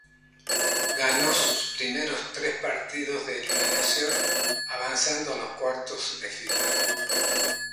Ganó sus primeros tres partidos de eliminación, avanzando a los cuartos de final.